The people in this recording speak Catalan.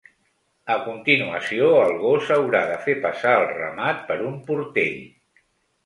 A continuació, el gos haurà de fer passar el ramat per un portell.